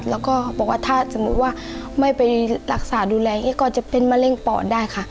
แล้วก็บอกว่าถ้าสมมุติว่าไม่ไปรักษาดูแลก็จะเป็นมะเร็งปอดได้ค่ะ